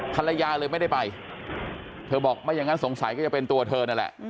ภรรยาเลยไม่ได้ไปเธอบอกไม่อย่างนั้นสงสัยก็จะเป็นตัวเธอนั่นแหละ